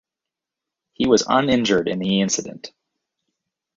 He was uninjured in the incident.